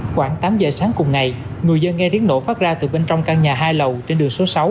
khoảng tám giờ sáng cùng ngày người dân nghe tiếng nổ phát ra từ bên trong căn nhà hai lầu trên đường số sáu